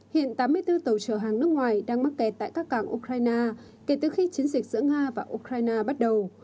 hiện tám mươi bốn tàu chở hàng nước ngoài đang mắc kẹt tại các cảng ukraine kể từ khi chiến dịch giữa nga và ukraine bắt đầu